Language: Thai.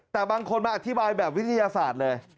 แต่บางคนมาอธิบายแบบวิทยาศาสตร์เลย